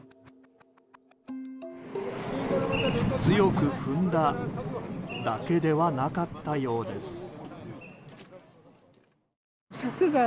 強く踏んだだけではなかったようです。